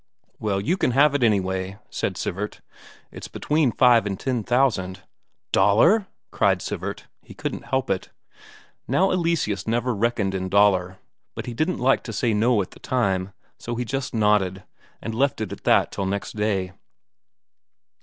"Well, you can have it, anyway," said Sivert. "It's between five and ten thousand." "Daler?" cried Sivert; he couldn't help it. Now Eleseus never reckoned in Daler, but he didn't like to say no at the time, so he just nodded, and left it at that till next day.